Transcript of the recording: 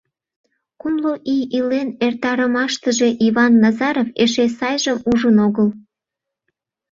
Кумло ий илен эртарымаштыже Иван Назаров эше сайжым ужын огыл.